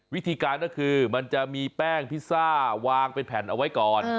วิธีการก็คือมันจะมีแป้งพิซซ่าวางเป็นแผ่นเอาไว้ก่อน